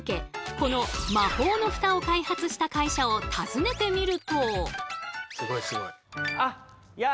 この魔法のフタを開発した会社を訪ねてみると。